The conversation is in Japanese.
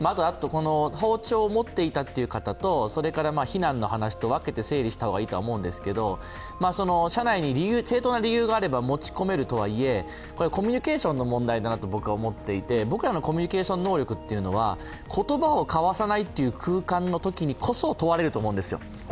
包丁を持っていたという方と避難の話と分けて整理した方がいいと思うんですけど車内に正当な理由があれば持ち込めるとはいえ、コミュニケーションの問題だなと、思っていて、僕らのコミュニケーション能力というのは、言葉を交わさないという空間のときに問われると思うんですよ。